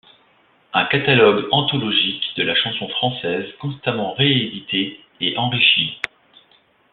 Un catalogue anthologique de la chanson française constamment réédité et enrichi.